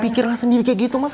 pikir lah sendiri kayak gitu maka